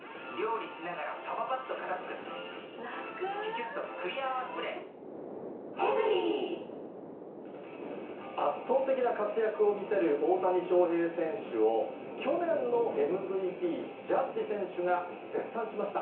キッコーマン圧倒的な活躍を見せる大谷翔平選手を、去年のＭＶＰ、ジャッジ選手が絶賛しました。